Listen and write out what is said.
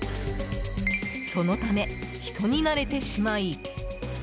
そのため、人に慣れてしまい。